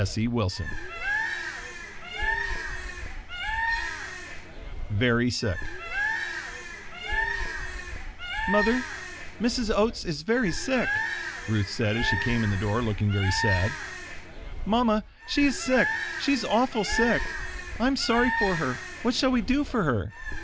Essie Wilson VERY SICK "Mother, Mrs. Oats is very sick!" Ruth said as she came in the door, looking very sad. "Mama, she is sick; she is awful sick. I'm sorry for her. What shall we do for her?